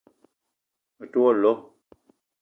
Me te wo lo